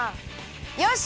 よし！